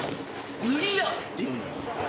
どぅいや！」って言うのよ。